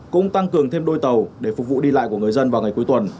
cũng tăng cường thêm đôi tàu để phục vụ đi lại của người dân vào ngày cuối tuần